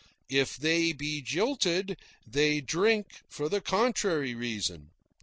If they be jilted, they drink for the contrary reason.